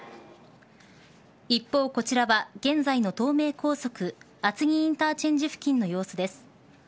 一方、こちらは現在の東名高速厚木インターチェンジ付近の様子です。